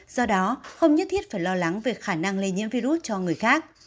do đó không nhất thiết phải lo lắng về khả năng lây nhiễm virus cho người khác